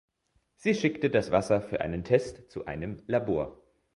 Sie schickte das Wasser für einen Test zu einem Labor.